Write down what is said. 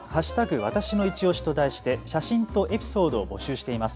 わたしのいちオシと題して写真とエピソードを募集しています。